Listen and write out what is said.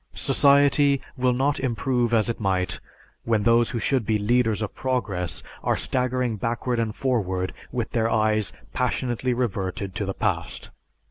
Society will not improve as it might when those who should be leaders of progress are staggering backward and forward with their eyes passionately reverted to the past.